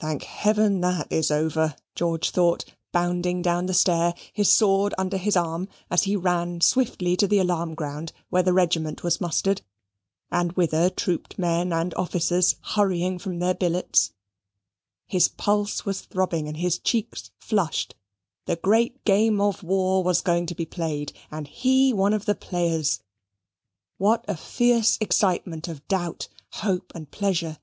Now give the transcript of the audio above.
"Thank Heaven that is over," George thought, bounding down the stair, his sword under his arm, as he ran swiftly to the alarm ground, where the regiment was mustered, and whither trooped men and officers hurrying from their billets; his pulse was throbbing and his cheeks flushed: the great game of war was going to be played, and he one of the players. What a fierce excitement of doubt, hope, and pleasure!